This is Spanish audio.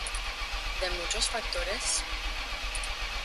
de muchos factores